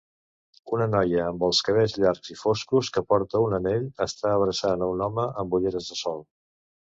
Una noia amb els cabells llargs i foscos que porta un anell està abraçant a un home amb ulleres de sol